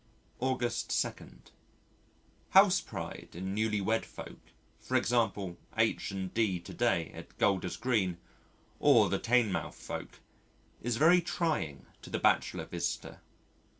August 2. House pride in newly wed folk, for example, H. and D. to day at Golder's Green or the Teignmouth folk, is very trying to the bachelor visitor.